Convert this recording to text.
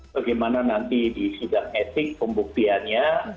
bagaimana nanti disidang etik pembuktiannya